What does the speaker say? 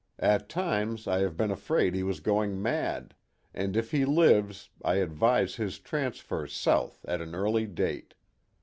At times I have been afraid he was going mad, and if he lives I advise his transfer south at an early date.